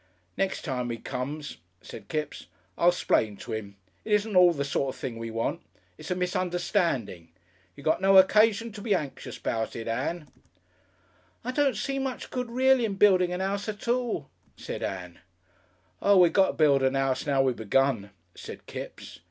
"Nex' time 'e comes," said Kipps, "I'll 'splain to him. It isn't at all the sort of thing we want. It's it's a misunderstanding. You got no occasion to be anxious 'bout it, Ann." "I don't see much good reely in building an 'ouse at all," said Ann. "Oo, we got to build a 'ouse now we begun," said Kipps.